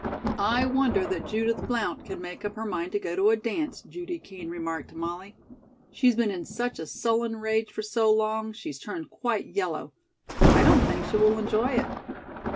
"I wonder that Judith Blount can make up her mind to go to a dance," Judy Kean remarked to Molly. "She's been in such a sullen rage for so long, she's turned quite yellow. I don't think she will enjoy it."